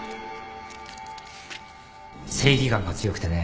正義感が強くてね